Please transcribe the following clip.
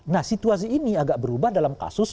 nah situasi ini agak berubah dalam kasus